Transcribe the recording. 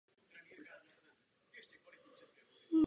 Může se však také vyskytovat i na pouštích se skalnatým podkladem.